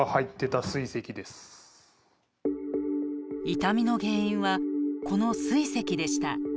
痛みの原因はこのすい石でした。